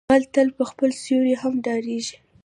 غل له خپل سيوري هم ډاریږي